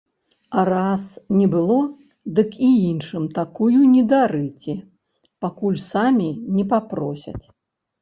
А раз не было, дык і іншым такую не дарыце, пакуль самі не папросяць.